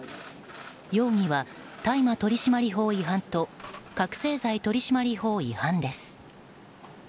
容疑は、大麻取締法違反と覚醒剤取締法違反です。